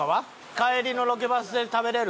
帰りのロケバスで食べれるしみんなで。